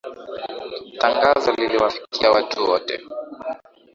Tangazo liliwafikia watu wote